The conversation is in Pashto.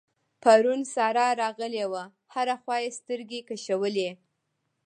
پرون سارا راغلې وه؛ هره خوا يې سترګې کشولې.